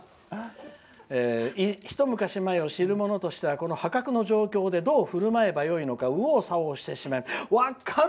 一昔前を知るものとしては「この破格の状況でどうふるまえばいいのか右往左往してしまいました」。